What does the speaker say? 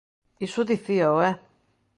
¡Iso dicíao, eh!